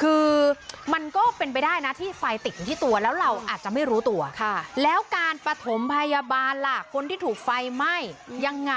คือมันก็เป็นไปได้นะที่ไฟติดอยู่ที่ตัวแล้วเราอาจจะไม่รู้ตัวแล้วการปฐมพยาบาลล่ะคนที่ถูกไฟไหม้ยังไง